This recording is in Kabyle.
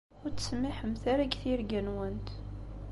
Ur ttsemmiḥemt ara deg tirga-nwent.